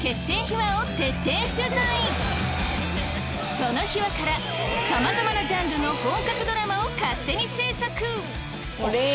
その秘話から様々なジャンルの本格ドラマを勝手に制作！